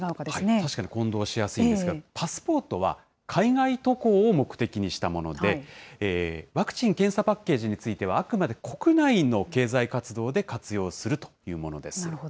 確かに混同しやすいですけれども、パスポートは海外渡航を目的にしたもので、ワクチン・検査パッケージについては、あくまで国内の経済活動で活用するというものです。